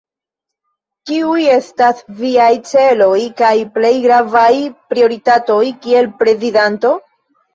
Kiuj estas viaj celoj kaj plej gravaj prioritatoj kiel prezidanto?